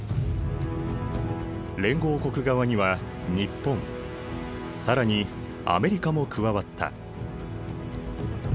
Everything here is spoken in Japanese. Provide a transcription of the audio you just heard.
連合国側には日本更にアメリカも加わった。